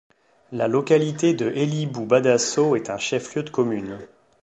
La localité de Ellibou-Badasso est un chef-lieu de commune.